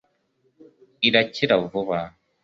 irakira vuba